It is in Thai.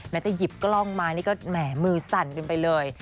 แม้แต่หยิบกล้องมานี่แหมมือสั่นขึ้นไปเลย